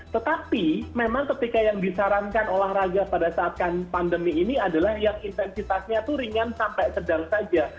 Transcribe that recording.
tetapi memang ketika yang disarankan olahraga pada saat pandemi ini adalah yang intensitasnya itu ringan sampai sedang saja